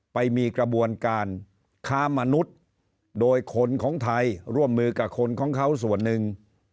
ไปมีกระบวนการค้ามนุษย์โดยคนของไทยร่วมมือกับคนของเขาส่วนหนึ่ง